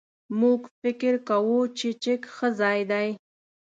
موږ فکر کوو چې چک ښه ځای دی.